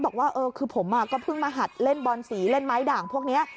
บอกว่าเออคือผมก็เพิ่งมาหัดเล่นบอลสีเล่นไม้ด่างพวกนี้